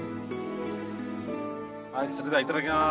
それではいただきます。